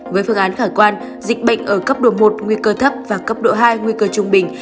với phương án khả quan dịch bệnh ở cấp độ một nguy cơ thấp và cấp độ hai nguy cơ trung bình